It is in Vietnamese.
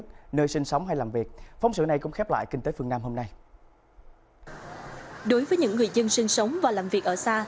đối với những người dân sinh sống và làm việc ở xa